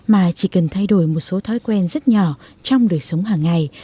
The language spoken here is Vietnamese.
mà chỉ cần thay đổi một số thói quen rất nhỏ trong đời sống hàng ngày